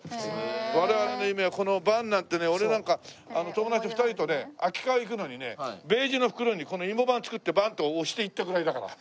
我々の夢はこのＶＡＮなんてね俺なんか友達２人とね秋川行くのにねベージュの袋にこの芋版作ってＶＡＮって押して行ったぐらいだから。